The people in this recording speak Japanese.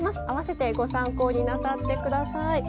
併せてご参考になさって下さい。